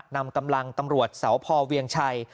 นำกำลังตำรวจสพเวียงชัย